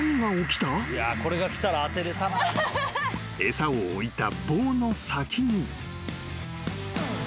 ［餌を置いた棒の先に］